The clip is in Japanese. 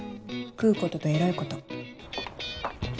食うこととエロいこと。